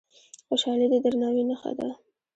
خوشالي د درناوي نښه ده.